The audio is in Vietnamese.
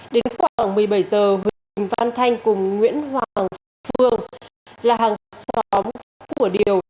đến khoảng một mươi bảy h huỳnh văn thanh cùng nguyễn hoàng phương là hàng xóm của điều